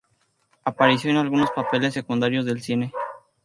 Apareció en algunos papeles secundarios del cine.